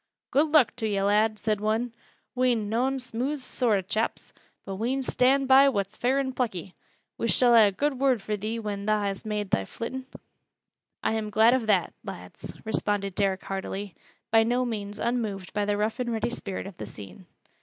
"Good luck to yo', lad!" said one. "We'n noan smooth soart o' chaps, but we'n stand by what's fair an' plucky. We shall ha' a good word fur thee when tha hast made thy flittin'." "I'm glad of that, lads," responded Derrick heartily, by no means unmoved by the rough and ready spirit of the scene.